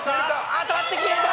当たって消えた！